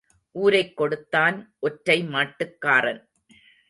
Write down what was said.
ஊரைக் கெடுத்தான் ஒற்றை மாட்டுக்காரன்.